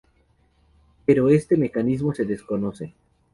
Pero este mecanismo se desconoce.